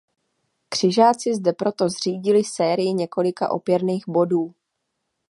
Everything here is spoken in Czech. Křižáci zde proto zřídili sérii několika opěrných bodů.